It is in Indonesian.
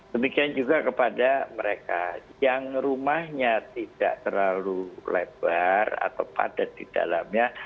demikian juga kepada mereka yang rumahnya tidak terlalu lebar atau padat di dalamnya